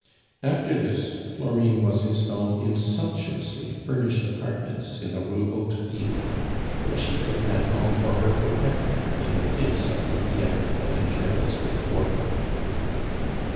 After this, Florine was installed in sumptuously furnished apartments in the Rue Hauteville, where she took Nathan for her protector in the face of the theatrical and journalistic world.